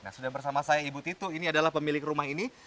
nah sudah bersama saya ibu titu ini adalah pemilik rumah ini